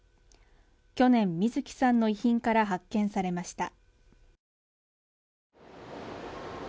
去年、水木さんの遺品から発見されました